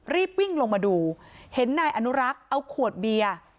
รีบวิ่งลงมาดูเห็นนายอนุรักษ์เอาขวดเบียร์